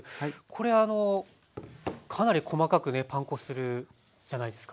これあのかなり細かくねパン粉するじゃないですか。